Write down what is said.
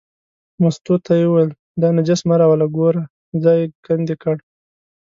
مستو ته یې وویل دا نجس مه راوله، ګوره ځای یې کندې کړ.